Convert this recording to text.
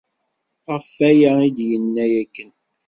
Ɣef waya i d-yenna akken.